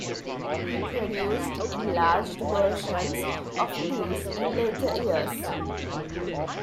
He produced enlarged versions of these in later years.